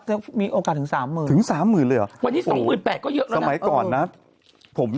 หนูอ่านบทวิทย์ถึงสามหมื่นไหม